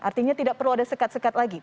artinya tidak perlu ada sekat sekat lagi